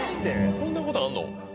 こんなことあんの？